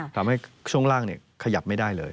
ทำให้ช่วงร่างขยับไม่ได้เลย